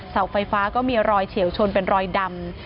เสาไฟฟ้าก็มีรอยเฉียวชนเป็นรอยดำ